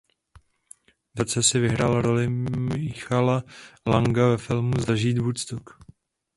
Ve stejném roce si zahrál roli Michaela Langa ve filmu "Zažít Woodstock".